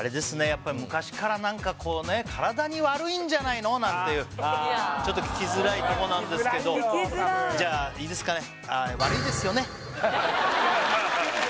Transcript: やっぱ昔から何かこうね体に悪いんじゃないの？なんていうちょっと聞きづらいとこなんですけどじゃあいいですかね